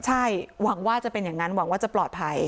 ใช่หวังว่าจะเป็นอย่างนั้นหวังว่าจะปลอดภัย